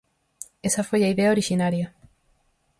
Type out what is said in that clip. Esa foi a idea orixinaria.